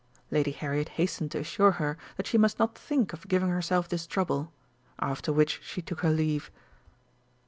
Lady Harriet hastened to assure her that she must not think of giving herself this trouble after which she took her leave.